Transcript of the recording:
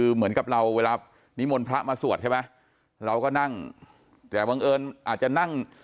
คือเหมือนกับเราเวลานิมนต์พระมาสวดใช่ไหมเราก็นั่งแต่บังเอิญอาจจะนั่ง